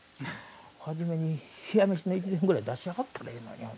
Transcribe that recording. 初めに冷や飯の一膳くらい出しはったらええのにな。